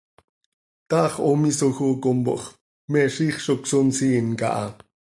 Taax oo misoj oo compooh x, me ziix zo cösonsiin caha.